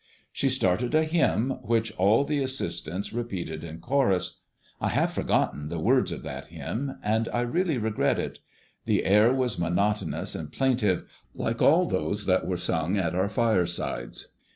She started a hymn which all the assistants repeated in chorus. I have forgotten the words of that hymn, and I really regret it. The air was monotonous and plaintive, like all those that were sung at our firesides.